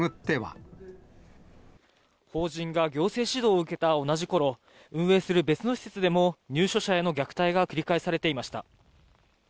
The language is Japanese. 法人が行政指導を受けた同じころ、運営する別の施設でも、入所者への虐待が繰り返されていました。